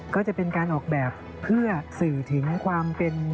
ก็จะเป็นการออกแบบเพื่อสื่อถึงความเป็น